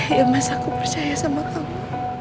ayo mas aku percaya sama kamu